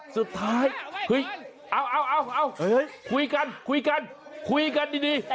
สุดท้ายเฮ้ยเอาคุยกันคุยกันคุยกันดี